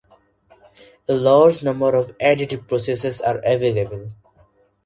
A large number of additive processes are available.